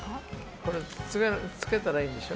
これ、着けたらいいんでしょ？